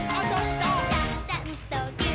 あ、どした！